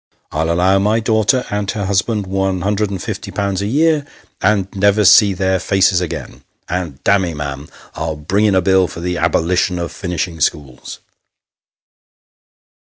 I'll allow my daughter and her husband one hundred and fifty pounds a year, and never see their faces again ; and, damme ! ma'am, I'll bring in a bill for the abolition of finishing schools."